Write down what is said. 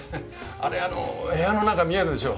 あれ部屋の中見えるでしょ。